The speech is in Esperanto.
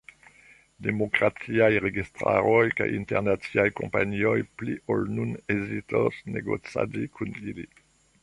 Demokrataj registaroj kaj internaciaj kompanioj pli ol nun hezitos, negocadi kun ili.